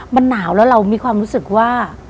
มันหนาวแล้วเรามีความรู้สึกว่า